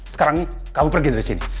sekarang kamu pergi dari sini